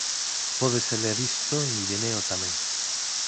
pódese ler isto en Ireneo tamén